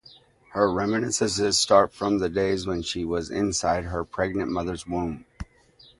Her reminiscences start from the days when she was inside her pregnant mother's womb.